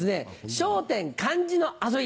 『笑点』漢字の遊び。